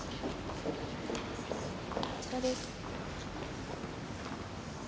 あちらです。